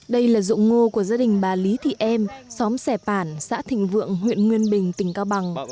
đây là dụng ngô của gia đình bà lý thị em xóm sẻ pản xã thình vượng huyện nguyên bình tỉnh cao bằng